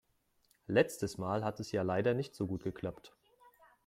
Letztes Mal hat es ja leider nicht so gut geklappt.